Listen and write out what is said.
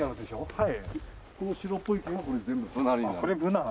はい。